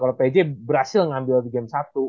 kalau pej berhasil ngambil di game satu